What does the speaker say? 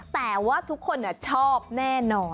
แต่ว่าทุกคนชอบแน่นอน